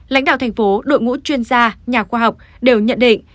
lãnh đạo thành phố đội ngũ chuyên gia nhà khoa học đều nhận định